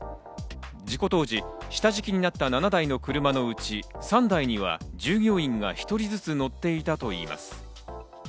事故当時、下敷きになった７台の車のうち、３台には従業員が１人ずつ乗っていたといいます。